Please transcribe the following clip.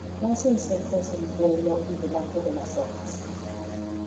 Caza insectos en vuelo y debajo de las hojas.